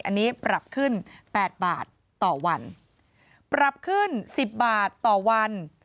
อันนี้ปรับขึ้นแปดบาทต่อวันปรับขึ้นสิบบาทต่อวัน